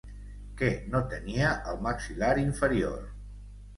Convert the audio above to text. Què no tenia el maxil·lar inferior?